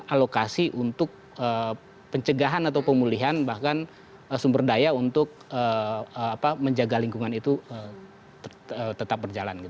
alokasi untuk pencegahan atau pemulihan bahkan sumber daya untuk menjaga lingkungan itu tetap berjalan